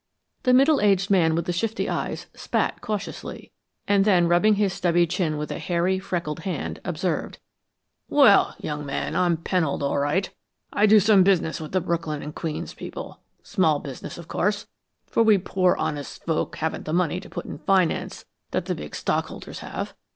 The middle aged man with the shifty eyes spat cautiously, and then, rubbing his stubby chin with a hairy, freckled hand, observed: "Well, young man, I'm Pennold, all right. I do some business with the Brooklyn & Queens people small business, of course, for we poor honest folk haven't the money to put in finance that the big stock holders have.